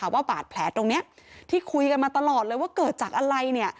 ว่าบาดแผลตรงนี้ที่คุยกันมาตลอดเลยว่าเกิดจากอะไรเนี่ย